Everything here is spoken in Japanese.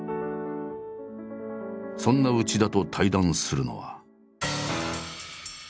そんな内田と対談するのは。